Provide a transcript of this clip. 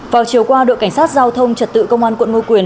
vào chiều qua đội cảnh sát giao thông trật tự công an quận ngo quyền